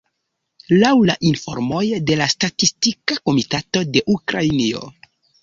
Laŭ la informoj de la statistika komitato de Ukrainio.